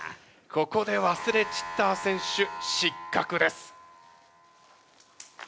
ここでワスレ・チッター選手失格です。